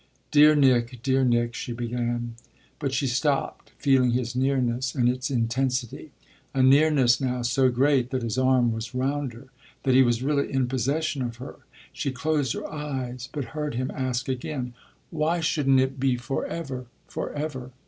"Dear Nick, dear Nick !" she began. But she stopped, feeling his nearness and its intensity, a nearness now so great that his arm was round her, that he was really in possession of her. She closed her eyes but heard him ask again, "Why shouldn't it be for ever, for ever?"